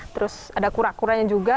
terus ada kura kuranya juga